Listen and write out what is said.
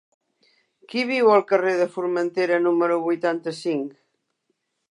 Qui viu al carrer de Formentera número vuitanta-cinc?